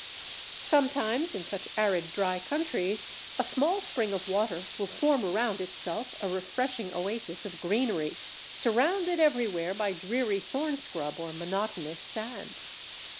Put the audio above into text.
Sometimes in such arid dry countries, a small spring of water will form around itself a refreshing oasis of greenery surrounded everywhere by dreary thorn scrub or monotonous sand.